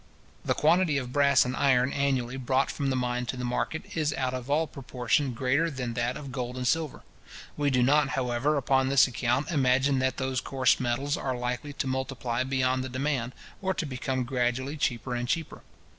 The quantity of brass and iron annually brought from the mine to the market, is out of all proportion greater than that of gold and silver. We do not, however, upon this account, imagine that those coarse metals are likely to multiply beyond the demand, or to become gradually cheaper and cheaper.